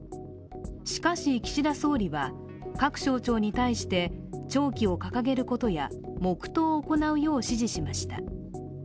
しかし、岸田総理は各省庁に対して弔旗を掲げることや黙とうを行うよう指示しました。